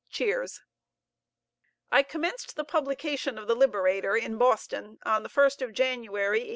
(Cheers.) I commenced the publication of the "Liberator" in Boston, on the 1st of January, 1831.